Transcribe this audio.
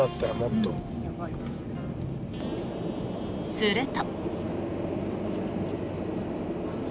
すると。